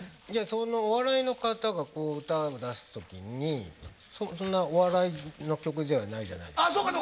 お笑いの方が歌を出す時にそんなお笑いの曲じゃないじゃないですか。